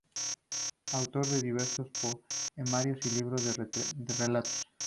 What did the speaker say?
Autor de diversos poemarios y libros de relatos.